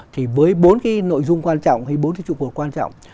thì với bốn cái nội dung quan trọng hay bốn cái trụ cột quan trọng